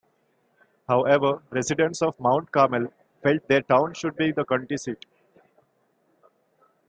However, residents of Mount Carmel felt their town should be the county seat.